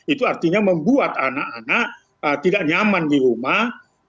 itu artinya membuat anak anak tidak nyaman di rumah